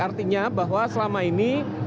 artinya bahwa selama ini